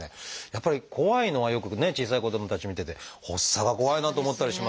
やっぱり怖いのはよくね小さい子どもたちを見てて発作が怖いなと思ったりしますが。